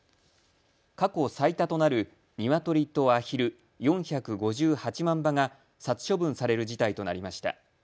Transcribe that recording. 過去最多となるニワトリとアヒル４５８万羽が殺処分される事態となりました。